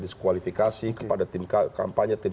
diskualifikasi kepada tim kampanye